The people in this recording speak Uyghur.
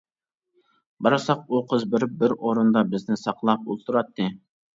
بارساق ئۇ قىز بېرىپ بىر ئورۇندا بىزنى ساقلاپ ئولتۇراتتى.